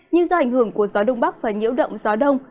nhưng do ảnh hưởng của gió đông bắc và nhiễu động gió đông